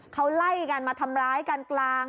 เขาไล่กันมาทำร้ายกันกลาง